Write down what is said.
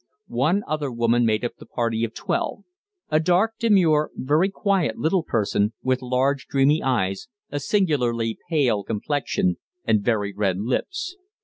One other woman made up the party of twelve a dark, demure, very quiet little person, with large, dreamy eyes, a singularly pale complexion, and very red lips.